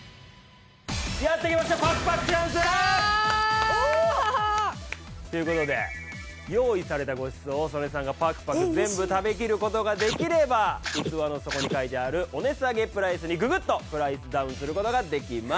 やって来ましたパクパクチャンス！という事で用意されたごちそうを曽根さんがパクパク全部食べきる事ができれば器の底に書いてあるお値下げプライスにググッとプライスダウンする事ができます。